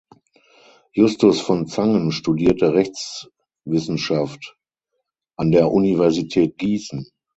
Justus von Zangen studierte Rechtswissenschaft an der Universität Gießen.